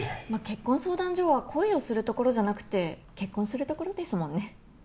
結婚相談所は恋をするところじゃなくて結婚するところですもんね